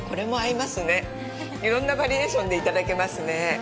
いろんなバリエーションでいただけますね。